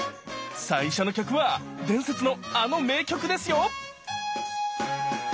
最初の曲は伝説のあの名曲ですよ